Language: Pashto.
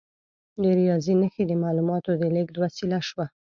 د ریاضي نښې د معلوماتو د لیږد وسیله شوه.